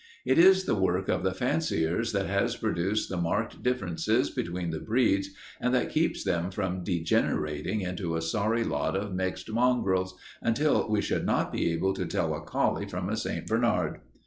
It is the work of the fanciers that has produced the marked differences between the breeds and that keeps them from degenerating into a sorry lot of mixed mongrels, until we should not be able to tell a collie from a St. Bernard.